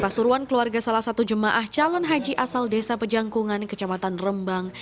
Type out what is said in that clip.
pasuruan keluarga salah satu jemaah calon haji asal desa pejangkungan kecamatan rembang